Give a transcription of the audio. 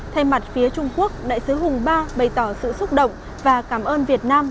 thay mặt phía trung quốc đại sứ hùng ba bày tỏ sự xúc động và cảm ơn việt nam